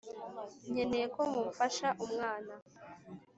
nkeneye ko mumfasha umwana